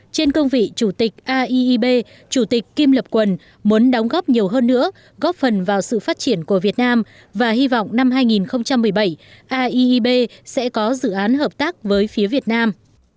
các công vị chủ tịch aiib chủ tịch kim lập quần muốn đóng góp nhiều hơn nữa góp phần vào sự phát triển của việt nam và hy vọng năm hai nghìn một mươi bảy aiib sẽ có dự án hợp tác với phía việt nam